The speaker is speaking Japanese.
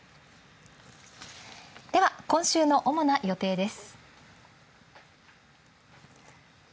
では今週の主な予定です。